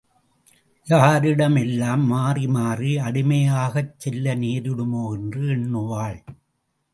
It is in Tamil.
யாராரிடம் எல்லாம் மாறிமாறி அடிமையாகச்செல்ல நேரிடுமோ என்று எண்ணுவாள்.